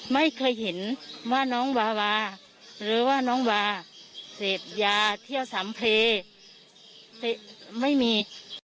ไม่เคยเห็นว่าน้องวาวาหรือว่าน้องวาเสพยาเที่ยวสัมเพลไม่มี